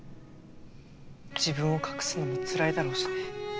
自分を隠すのもつらいだろうしね。